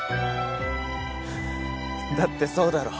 だってそうだろ？